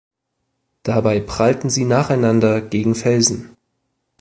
Dabei prallten sie nacheinander gegen Felsen.